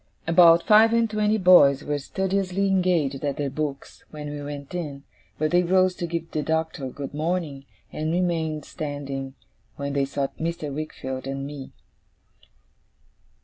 About five and twenty boys were studiously engaged at their books when we went in, but they rose to give the Doctor good morning, and remained standing when they saw Mr. Wickfield and me.